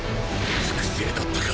複製だったか！